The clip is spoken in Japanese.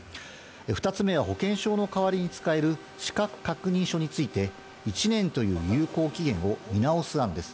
２つ目は保険証の代わりに使える資格確認書について、１年という有効期限を見直す案です。